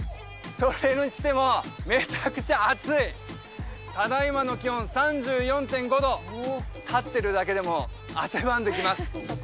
それにしてもめちゃくちゃ暑いただ今の気温３４．５度立ってるだけでも汗ばんできます